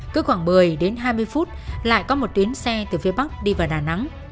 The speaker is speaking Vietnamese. cứ khoảng một mươi đến hai mươi phút lại có một tuyến xe từ phía bắc đi vào đà nẵng